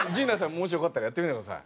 もしよかったらやってみてください。